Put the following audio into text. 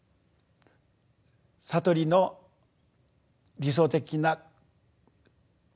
悟りの理想的な境地